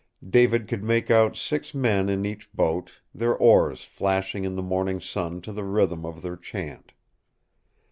David could make out six men in each boat, their oars flashing in the morning sun to the rhythm of their chant.